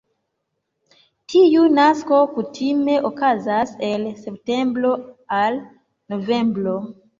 Tiu nasko kutime okazas el septembro al novembro.